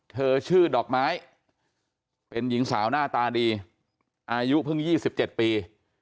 ชื่อดอกไม้เป็นหญิงสาวหน้าตาดีอายุเพิ่ง๒๗ปี